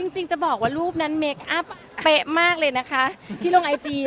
จริงจะบอกว่ารูปนั้นเคคอัพเป๊ะมากเลยนะคะที่ลงไอจี